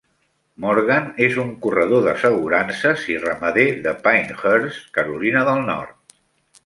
Morgan és un corredor d'assegurances i ramader de Pinehurst, Carolina del Nord.